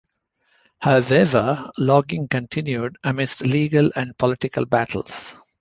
However, logging continued, amidst legal and political battles.